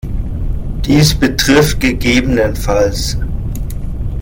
Dies betrifft ggf.